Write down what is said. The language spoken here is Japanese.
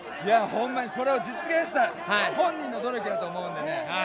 ほんまにそれを実現した本人の努力だと思うんでね。